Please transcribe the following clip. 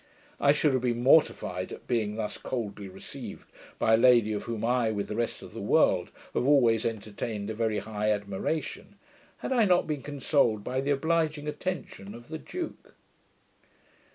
I should have been mortified at being thus coldly received by a lady of whom I, with the rest of the world, have always entertained a very high admiration, had I not been consoled by the obliging attention of the duke.